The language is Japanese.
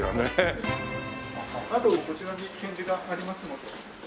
あとこちらに展示がありますので。